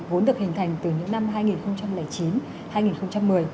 vốn được hình thành từ những năm hai nghìn chín hai nghìn một mươi